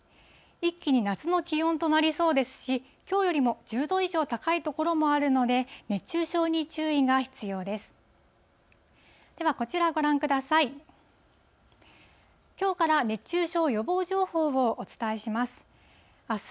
一気に夏の気温となりそうですし、きょうよりも１０度以上高い所もあるので、熱中症に注意が必要です。